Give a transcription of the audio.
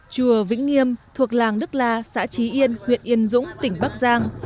chùa vĩnh nghiêm thuộc làng đức la xã trí yên huyện yên dũng tỉnh bắc giang